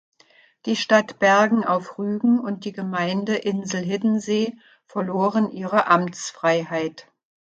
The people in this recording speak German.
Die Stadt Bergen auf Rügen und die Gemeinde Insel Hiddensee verloren ihre Amtsfreiheit.